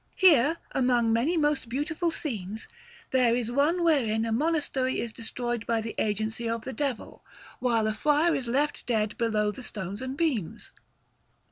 Here, among many most beautiful scenes, there is one wherein a monastery is destroyed by the agency of the Devil, while a friar is left dead below the stones and beams.